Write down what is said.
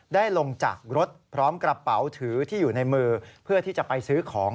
ลงจากรถพร้อมกระเป๋าถือที่อยู่ในมือเพื่อที่จะไปซื้อของ